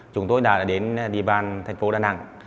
chúng tôi đã đến địa bàn thành phố đà nẵng